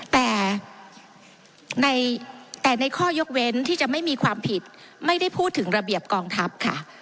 แต่ในข้อยกเว้นที่จะไม่มีความผิดไม่ได้พูดถึงระเบียบกองทัพค่ะ